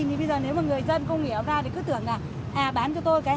sáu mươi sáu thì bây giờ nếu mà người dân không nghĩ ra thì cứ tưởng là à bán cho tôi cái hai mươi